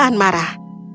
dan dia tidak akan marah